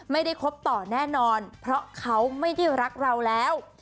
คบต่อแน่นอนเพราะเขาไม่ได้รักเราแล้ว